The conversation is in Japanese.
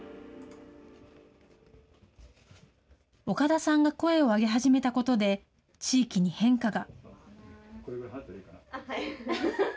岡田さんが声を上げ始めたことで、地域に変化が。